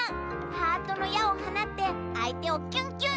ハートのやをはなってあいてをキュンキュン！